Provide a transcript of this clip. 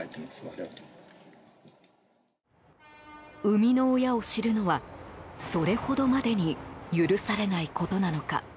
生みの親を知るのはそれほどまでに許されないことなのか。